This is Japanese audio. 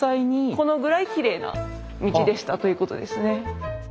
このぐらいきれいな道でしたということですね。